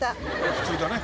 普通だね。